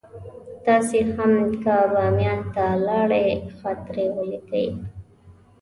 تاسې هم که بامیان ته لاړئ خاطرې ولیکئ.